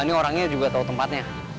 ini orangnya juga tahu tempatnya